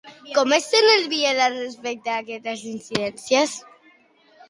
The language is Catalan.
Com se sent, el Biel, respecte aquestes incidències?